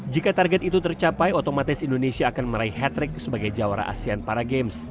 jika target itu tercapai otomatis indonesia akan meraih hat trick sebagai juara asean paragames